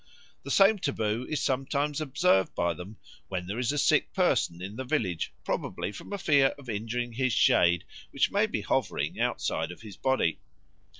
The same taboo is sometimes observed by them when there is a sick person in the village, probably from a fear of injuring his shade which may be hovering outside of his body.